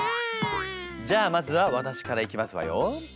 じゃあまずは私からいきますわよ。